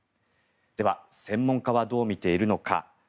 では専門家はどう見ているのか。